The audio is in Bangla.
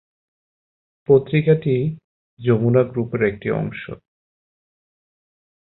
পত্রিকাটি যমুনা গ্রুপের একটি অংশ।